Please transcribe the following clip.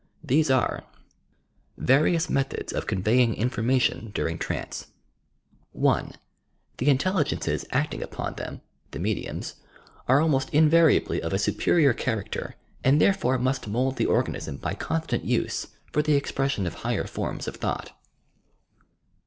These are: VAEIODS METHODS OP CONVETDJa INFORMATION DURDJO TRANCE (1) The intelligences acting upon them (the mediums) are almost invariably of a superior character and there fore must mould the organism by constant use for the expression of higher forms of thought.